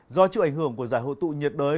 do chịu ảnh hưởng của giải hội tụ nhiệt đới